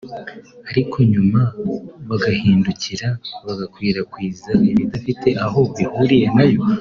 ariko nyuma bagahindukira bagakwirakwiza ibidafite aho bihuriye nayo